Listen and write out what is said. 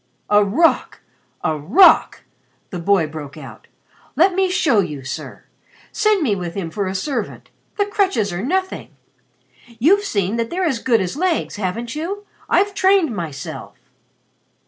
"A Rock! A Rock!" the boy broke out. "Let me show you, sir. Send me with him for a servant. The crutches are nothing. You've seen that they're as good as legs, haven't you? I've trained myself."